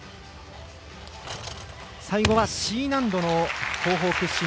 最後はＣ難度の後方屈身